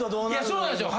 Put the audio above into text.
そうなんですよ。